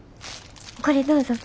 これどうぞ。